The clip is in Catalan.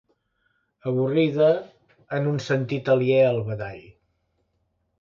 Avorrida en un sentit aliè al badall.